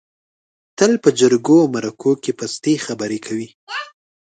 تل په جرګو او مرکو کې پستې خبرې کوي.